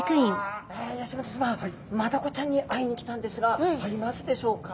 吉本さまマダコちゃんに会いに来たんですがいますでしょうか？